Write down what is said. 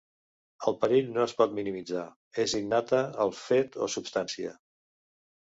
El perill no es pot minimitzar, és innata al fet o substància.